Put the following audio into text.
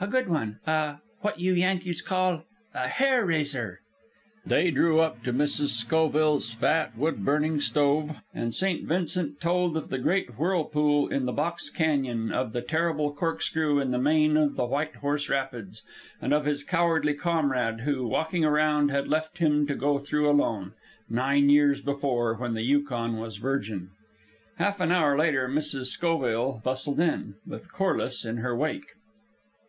"A good one! A what you Yankees call a hair raiser!" They drew up to Mrs. Schoville's fat wood burning stove, and St. Vincent told of the great whirlpool in the Box Canyon, of the terrible corkscrew in the mane of the White Horse Rapids, and of his cowardly comrade, who, walking around, had left him to go through alone nine years before when the Yukon was virgin. Half an hour later Mrs. Schoville bustled in, with Corliss in her wake.